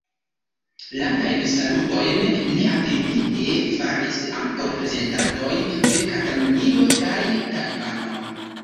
Landajn salutojn neatendite faris ankaŭ reprezentantoj de Katalunio kaj Tajvano.